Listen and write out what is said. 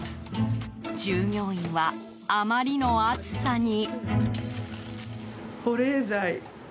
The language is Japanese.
従業員はあまりの暑さに。